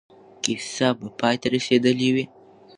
کیسه به پای ته رسېدلې وي.